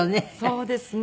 そうですね。